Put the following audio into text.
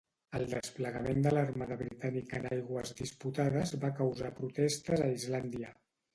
El desplegament de l'Armada Britànica en aigües disputades va causar protestes a Islàndia.